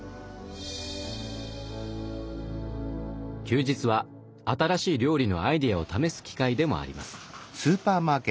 休日は新しい料理のアイデアを試す機会でもあります。